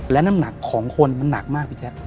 และน้ำหนักของคนมันหนักมากพี่แจ๊ค